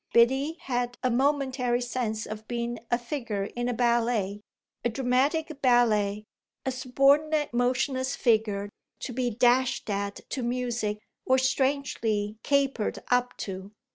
Biddy had a momentary sense of being a figure in a ballet, a dramatic ballet a subordinate motionless figure, to be dashed at to music or strangely capered up to.